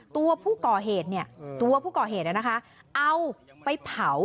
ตัวผู้ก่อเหตุนี่นะคะเอาไปเผา